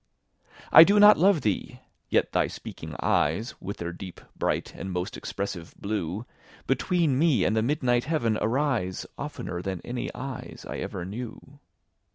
I do not love thee!—yet thy speaking eyes, With their deep, bright, and most expressive blue, Between me and the midnight heaven arise, 15 Oftener than any eyes I ever knew.